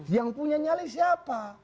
yang punya nyali siapa